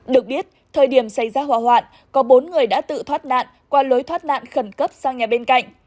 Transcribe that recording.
được biết thời điểm xảy ra hỏa hoạn có bốn người đã tự thoát nạn qua lối thoát nạn khẩn cấp sang nhà bên cạnh